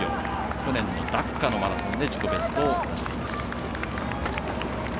去年のダッカのマラソンで自己ベストを出しています。